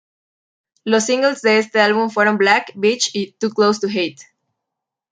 Los singles de este álbum fueron "Black", "Bitch" y "Too Close To Hate".